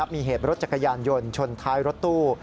มีเหตุรถจักรยานยนต์ชนท้ายรถตู้